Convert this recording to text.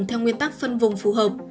theo nguyên tắc phân vùng phù hợp